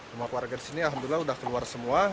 rumah keluarga di sini alhamdulillah sudah keluar semua